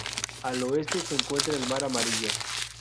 Al oeste se encuentra el mar Amarillo.